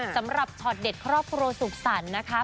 สำหรับชอตเด็ดครอบครัวสุขสรรนะคะ